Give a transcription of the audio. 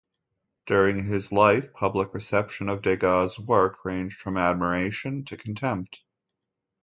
During his life, public reception of Degas's work ranged from admiration to contempt.